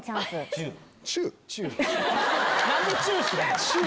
何でチュー知らん。